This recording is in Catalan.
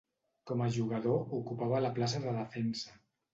Com a jugador ocupava la plaça de defensa.